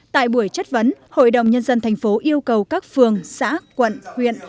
tại buổi chất vấn hội đồng nhân dân thành phố yêu cầu các phường xã quận huyện